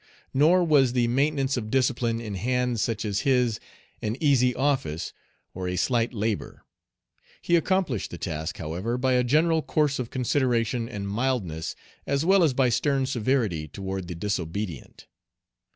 Nor was the maintenance of discipline in hands such as his an easy office or a slight labor. He accomplished the task, however, by a general course of consideration and mildness as well as by stern severity toward the disobedient.